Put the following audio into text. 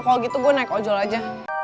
kalau gitu gue naik ojol aja